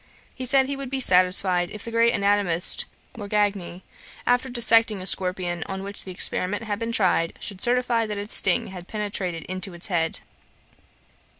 He said he would be satisfied if the great anatomist Morgagni, after dissecting a scorpion on which the experiment had been tried, should certify that its sting had penetrated into its head.